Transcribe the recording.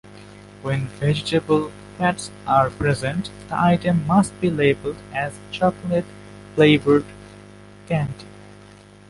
When vegetable fats are present the item must be labeled as chocolate flavored candy.